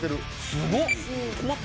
すごっ。